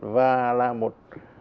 và là một